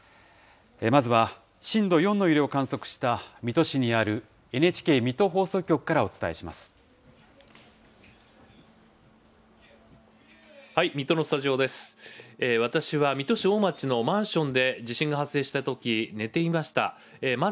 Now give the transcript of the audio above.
まずは震度４の揺れを観測した水戸市にあるＮＨＫ水戸放送局から水戸のスタジオです。